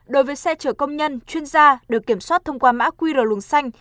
đối với xe chở công nhân chuyên gia được kiểm soát thông qua mã qr luồng xanh